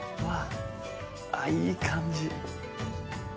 あいい感じ。